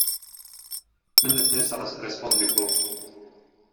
Ne necesas respondi plu!